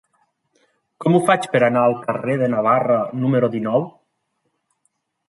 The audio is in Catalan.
Com ho faig per anar al carrer de Navarra número dinou?